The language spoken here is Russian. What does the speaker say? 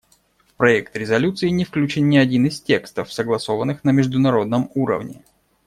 В проект резолюции не включен ни один из текстов, согласованных на международном уровне.